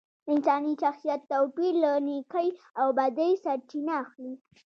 د انساني شخصیت توپیر له نیکۍ او بدۍ سرچینه اخلي